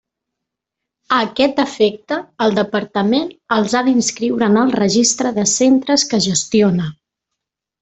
A aquest efecte, el Departament els ha d'inscriure en el registre de centres que gestiona.